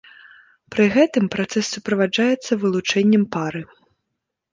Пры гэтым працэс суправаджаецца вылучэннем пары.